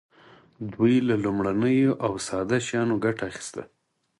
دوی له لومړنیو او ساده شیانو ګټه اخیسته.